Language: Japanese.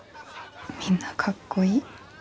・みんなかっこいい。